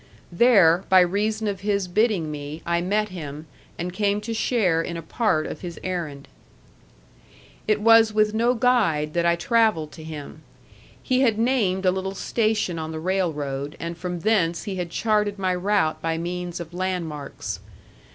There, by reason of his bidding me, I met him, and came to share in a part of his errand. It was with no guide that I travelled to him. He had named a little station on the railroad, and from thence he had charted my route by means of landmarks.